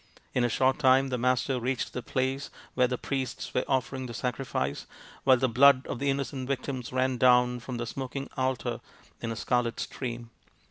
In a short time the Master reached the place where the priests were offering the sacrifice, while the blood of the innocent victims ran down from the smoking altar in a scarlet stream.